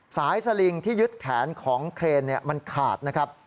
สลิงที่ยึดแขนของเครนมันขาดนะครับ